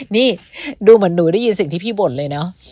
นี่ดูเหมือนหนูได้ยินสิ่งที่พี่บ่นเลยเนอะ